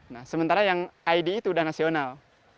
nah sementara yang desa itu sudah nasional